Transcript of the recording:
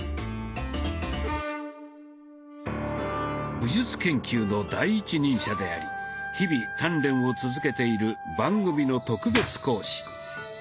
武術研究の第一人者であり日々鍛錬を続けている番組の特別講師